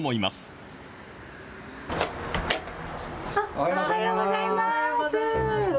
おはようございます。